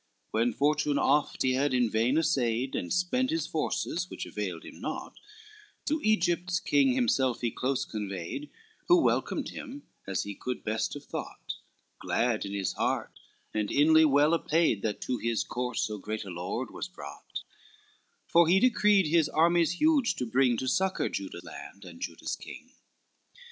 V When Fortune oft he had in vain assayed, And spent his forces, which availed him naught, To Egypt's king himself he close conveyed, Who welcomed him as he could best have thought, Glad in his heart, and inly well apayed, That to his court so great a lord was brought: For he decreed his armies huge to bring To succor Juda land and Juda's king.